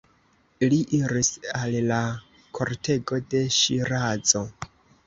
Li iris al la kortego de Ŝirazo.